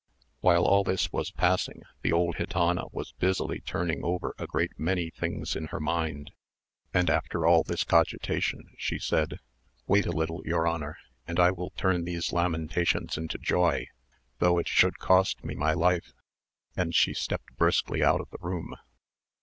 While all this was passing, the old gitana was busily turning over a great many things in her mind, and after all this cogitation, she said, "Wait a little, your honour, and I will turn these lamentations into joy, though it should cost me my life;" and she stepped briskly out of the room.